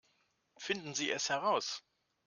Finden Sie es heraus!